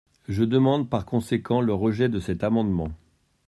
Je demande par conséquent le rejet de cet amendement.